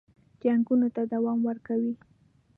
جنګونو ته دوام ورکوي.